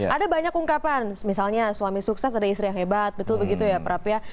ada banyak ungkapan misalnya suami sukses ada istri yang hebat betul begitu ya prap ya